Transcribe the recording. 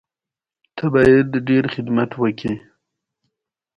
افغانانو د غازي امان الله خان په مشرۍ خپلواکي اعلان کړه.